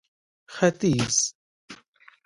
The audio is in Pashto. ختيځ